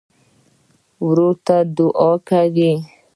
ورور ته دعاوې کوې.